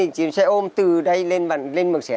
chị sẽ ôm từ đây lên mực xe có năm mươi nghìn